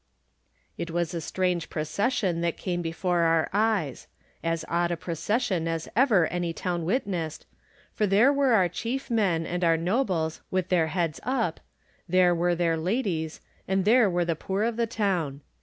It was a strange procession that came before our eyes — ^as odd a procession as ever any town witnessed, for there were our chief men and our nobles with their heads up; there were their ladies, and there were the poor of the town.